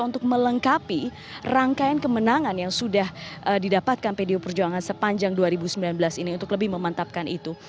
untuk melengkapi rangkaian kemenangan yang sudah didapatkan pdi perjuangan sepanjang dua ribu sembilan belas ini untuk lebih memantapkan itu